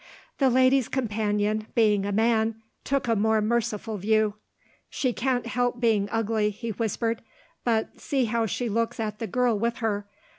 The lady's companion, being a man, took a more merciful view. "She can't help being ugly," he whispered. "But see how she looks at the girl with her.